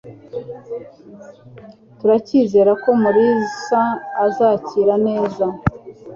Turacyizera ko Mulisa azakira neza.